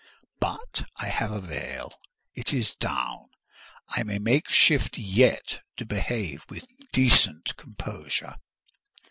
But I have a veil—it is down: I may make shift yet to behave with decent composure.